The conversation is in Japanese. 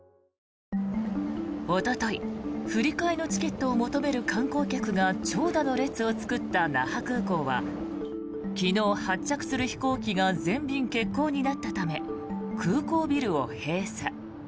おととい、振り替えのチケットを求める観光客が長蛇の列を作った那覇空港は昨日、発着する飛行機が全便欠航になったため空港ビルを閉鎖。